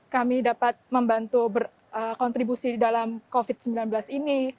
kami dapat membantu berkontribusi dalam covid sembilan belas ini